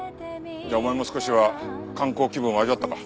じゃあお前も少しは観光気分を味わったか？